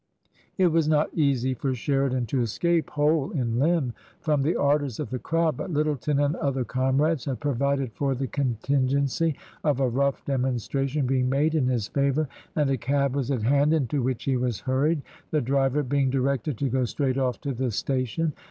It was not easy for Sheridan to escape whole in limb from the ardours of the crowd ; but Lyttleton and other comrades had provided for the contingency of a rough demonstration being made in his favour, and a cab was at hand into which he was hurried, the driver being di rected to go straight off to the station.